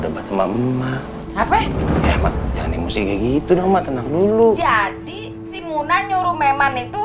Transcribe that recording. debat sama emak apa ya jangan emosi gitu dong tenang dulu jadi si muna nyuruh memang itu